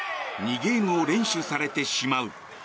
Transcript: ゲームを連取されてしまう。